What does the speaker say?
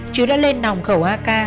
chứ đã lên nòng khẩu ak